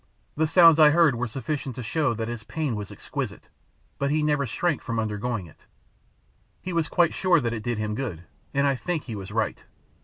The sounds I heard were sufficient to show that his pain was exquisite, but he never shrank from undergoing it. He was quite sure that it did him good; and I think he was right.